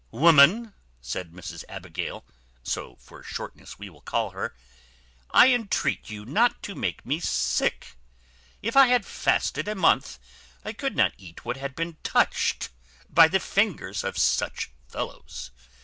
"Woman," said Mrs Abigail (so for shortness we will call her), "I entreat you not to make me sick. If I had fasted a month, I could not eat what had been touched by the fingers of such fellows.